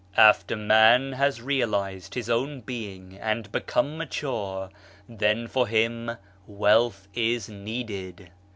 " After man has realised his own being and become mature, then for him wealth is needed.